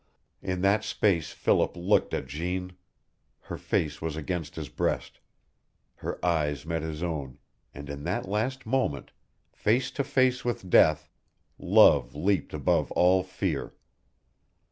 In that space Philip looked at Jeanne. Her face was against his breast. Her eyes met his own, and In that last moment, face to face with death, love leaped above all fear.